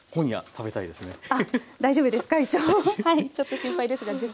ちょっと心配ですが是非。